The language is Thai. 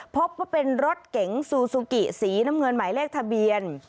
พบว่าเป็นรถเก๋งซูซูกิสีน้ำเงินหมายเลขทะเบียน